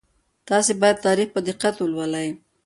تاسي باید تاریخ په دقت ولولئ.